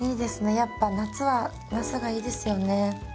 やっぱ夏はなすがいいですよね。